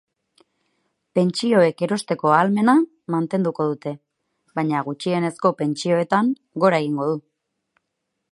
Pentsioek erosteko ahalmena mantenduko dute, baina gutxienezko pentsioetan gora egingo du.